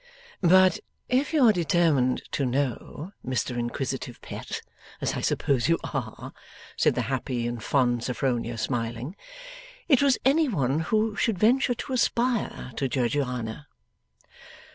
'But if you are determined to know, Mr Inquisitive Pet, as I suppose you are,' said the happy and fond Sophronia, smiling, 'it was any one who should venture to aspire to Georgiana.